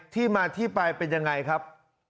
ที่มาที่ไปเป็นยังไงครับ